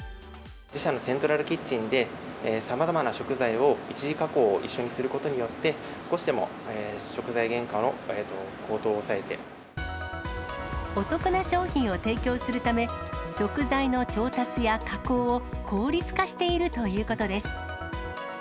自社のセントラルキッチンで、さまざまな食材を１次加工を一緒にすることで、少しでも食材原価お得な商品を提供するため、食材の調達や加工を効率化しているということです。